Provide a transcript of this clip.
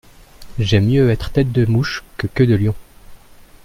J’aime mieux être tête de mouche que queue de lion.